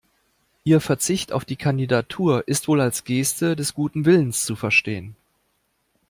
Ihr Verzicht auf die Kandidatur ist wohl als Geste des guten Willens zu verstehen.